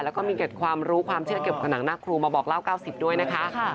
แล้วก็มีเกร็ดความรู้ความเชื่อเกี่ยวกับผนังหน้าครูมาบอกเล่า๙๐ด้วยนะคะ